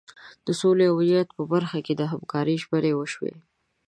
د سولې او امنیت په برخه کې د همکارۍ ژمنې وشوې.